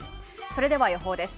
それでは予報です。